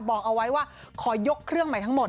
บอกเอาไว้ว่าขอยกเครื่องใหม่ทั้งหมด